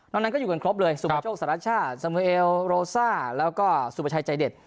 นั้นก็อยู่กันครบเลยสุประโชคสารชาติเสมอเอลโรซ่าแล้วก็สุประชัยใจเด็ด